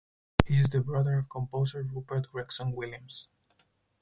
He is the brother of composer Rupert Gregson-Williams.